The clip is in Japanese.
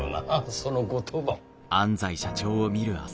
その言葉。